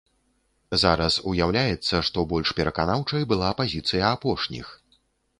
Зараз уяўляецца, што больш пераканаўчай была пазіцыя апошніх.